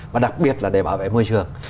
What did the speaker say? và đặc biệt là để bảo vệ môi trường